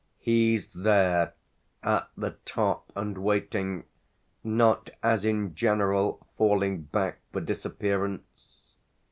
"He's there, at the top, and waiting not, as in general, falling back for disappearance.